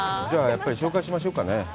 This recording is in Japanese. じゃあ、やっぱり紹介しましょうかね。